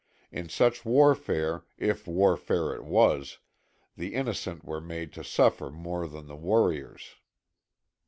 In such warfare, if warfare it was, the innocent were made to suffer more than the warriors.